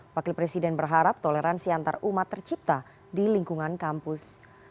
wakil presiden berharap toleransi antarumat tercipta di lingkungan kampus